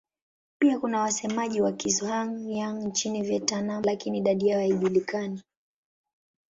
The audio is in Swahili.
Pia kuna wasemaji wa Kizhuang-Yang nchini Vietnam lakini idadi yao haijulikani.